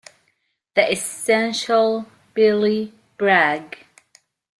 The Essential Billy Bragg".